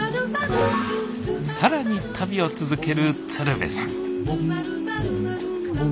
更に旅を続ける鶴瓶さん